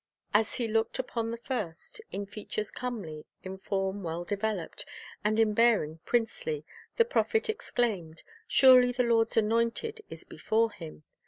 As he looked upon the first, in features comely, in form well developed, and in bearing princely, the prophet exclaimed, "Surely the Lord's anointed is before Him."